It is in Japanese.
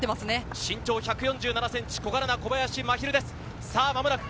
身長１４７ｃｍ、小柄な小林舞妃留です。